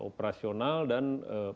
operasional dan pendidikan